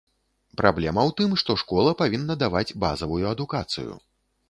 Праблема ў тым, што школа павінна даваць базавую адукацыю.